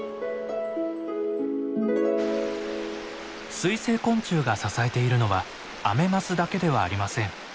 水生昆虫が支えているのはアメマスだけではありません。